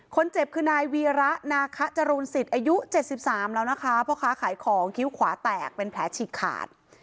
คนเจ็บคือนายวีระนาคะจรูนสิทธิ์อายุ๗๓แล้วนะคะพ่อค้าขายของคิ้วขวาแตกเป็นแผลฉีกขาด